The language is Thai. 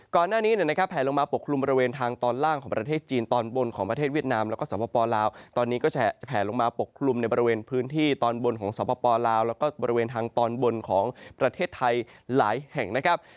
ก่อนหน้านี้นะครับแผลลงมาปกคลุมบริเวณทางตอนล่างของประเทศจีนตอนบนของประเทศเวียดนามแล้วก็สปลาวตอนนี้ก็จะแผลลงมาปกคลุมในบริเวณพื้นที่ตอนบนของสปลาวแล้วก็บริเวณทางตอนบนของประเทศไทยหลายแห่งนะครับ